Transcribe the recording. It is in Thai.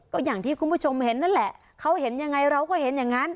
ก็อย่างที่คุณผู้ชมเห็นนั่นแหละเขาเห็นยังไงเราก็เห็นอย่างนั้น